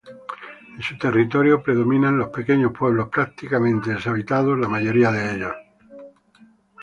En su territorio predominan los pequeños pueblos, prácticamente deshabitados la mayor parte.